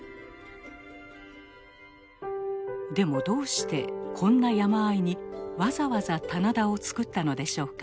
でもどうしてこんな山あいにわざわざ棚田を作ったのでしょうか？